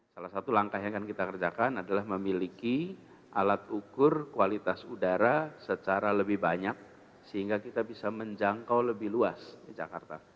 salah satu langkah yang akan kita kerjakan adalah memiliki alat ukur kualitas udara secara lebih banyak sehingga kita bisa menjangkau lebih luas di jakarta